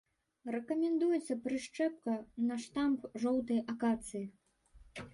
Рэкамендуецца прышчэпка на штамб жоўтай акацыі.